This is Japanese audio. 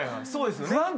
そうですよね。